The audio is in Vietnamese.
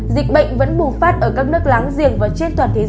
dịch bệnh vẫn bùng phát ở các nước láng giềng và trên thoảng